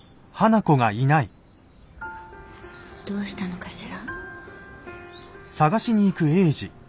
どうしたのかしら。